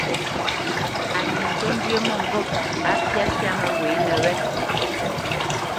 Á ní ŋkə́ njyə́ mə́ŋgôp á mbyá syâ məghwěnə wé.